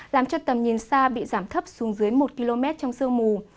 làm cho tầm nhìn xa bị giảm thấp xuống dưới một km trong sương mù